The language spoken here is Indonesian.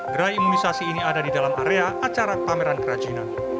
gerai imunisasi ini ada di dalam area acara pameran kerajinan